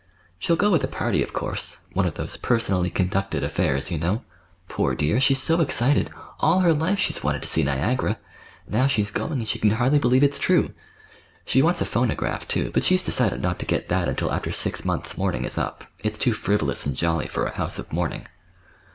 She'll go with a party, of course,—one of those 'personally conducted' affairs, you know. Poor dear! she's so excited! All her life she's wanted to see Niagara. Now she's going, and she can hardly believe it's true. She wants a phonograph, too, but she's decided not to get that until after six months' mourning is up—it's too frivolous and jolly for a house of mourning."